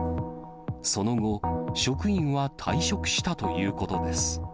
その後、職員は退職したということです。